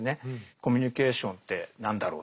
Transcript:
コミュニケーションって何だろうとかですね